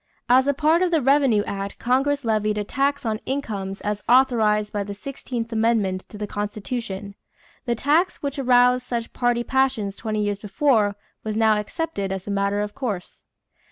As a part of the revenue act Congress levied a tax on incomes as authorized by the sixteenth amendment to the Constitution. The tax which roused such party passions twenty years before was now accepted as a matter of course.